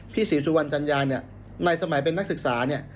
ศรีสุวรรณจัญญาเนี่ยในสมัยเป็นนักศึกษาเนี่ย